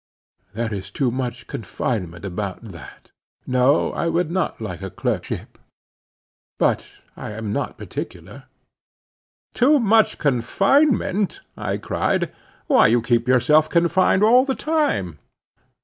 "There is too much confinement about that. No, I would not like a clerkship; but I am not particular." "Too much confinement," I cried, "why you keep yourself confined all the time!"